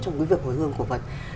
trong cái việc hồi hương cổ vật